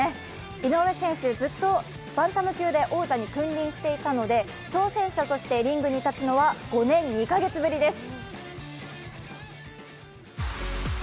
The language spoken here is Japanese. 井上選手、ずっとバンタム級で王座に君臨していたので挑戦者としてリングに立つのは５年２か月ぶりです。